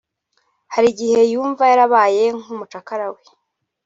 Hari igihe yumva yarabaye nk’umucakara we